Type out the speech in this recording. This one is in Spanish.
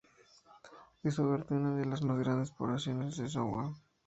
Es hogar de una de las más grandes poblaciones Zhuang.